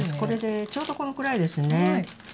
ちょうどこのくらいですね。